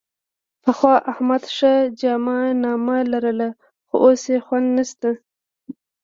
پخوا احمد ښه جامه نامه لرله، خو اوس یې خوند نشته.